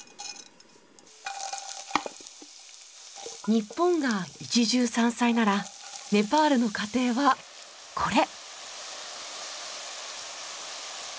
日本が一汁三菜ならネパールの家庭はこれ。